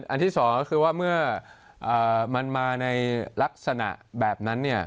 ที่สองก็คือว่าเมื่อมันมาในลักษณะแบบนั้น